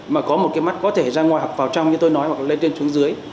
mà có một cái mắt có thể ra ngoài hoặc vào trong như tôi nói hoặc lên tuyên xuống dưới